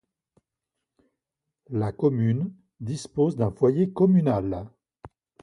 La commune dispose d'un foyer communal.